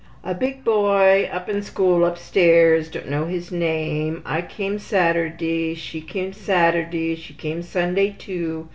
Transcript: ``A big boy up in school upstairs don't know his name. I came Saturday. She came Saturday. She came Sunday, too.